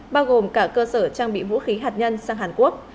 bao gồm cả cơ sở trang bị vũ khí hạt nhân sang hàn quốc